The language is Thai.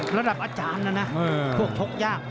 ระดับอาจารย์นะนะพวกชกยาก